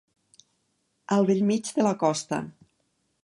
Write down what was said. Al bell mig de la costa.